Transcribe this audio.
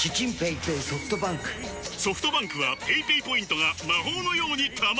ソフトバンクはペイペイポイントが魔法のように貯まる！